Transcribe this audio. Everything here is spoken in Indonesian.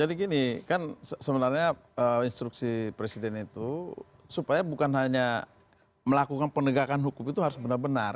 jadi gini kan sebenarnya instruksi presiden itu supaya bukan hanya melakukan penegakan hukum itu harus benar benar